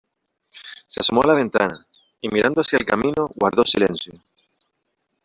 se asomó a la ventana , y mirando hacia el camino guardó silencio .